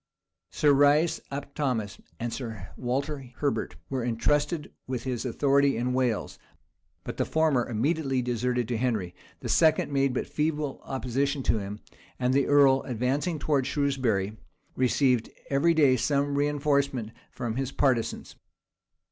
Sir Rice ap Thomas and Sir Walter Herbert were intrusted with his authority in Wales; but the former immediately deserted to Henry; the second made but feeble opposition to him; and the earl, advancing towards Shrewsbury, received every day some reënforcement from his partisans.